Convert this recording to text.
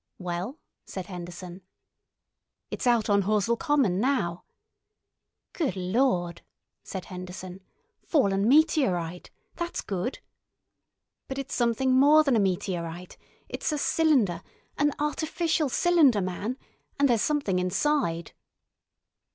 "Well?" said Henderson. "It's out on Horsell Common now." "Good Lord!" said Henderson. "Fallen meteorite! That's good." "But it's something more than a meteorite. It's a cylinder—an artificial cylinder, man! And there's something inside."